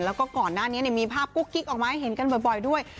แล้วก็ก่อนหน้านี้มีภาพกุ๊กกิ๊กออกมาให้เห็นกันบ่อยด้วย